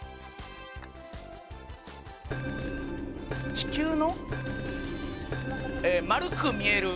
地球の丸く見える。